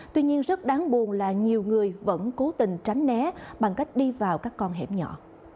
tuy nhiên rất đáng buồn là nhiều người vẫn cố tình tránh né bằng cách đi vào các con hẻm nhỏ